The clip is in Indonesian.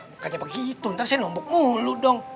bukannya begitu ntar saya lombok mulu dong